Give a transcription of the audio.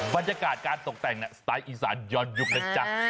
บรรยากาศการตกแต่งสไตล์อีสานย้อนยุคนะจ๊ะ